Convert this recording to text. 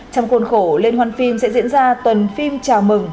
trong khuôn khổ liên hoan phim sẽ diễn ra tuần phim chào mừng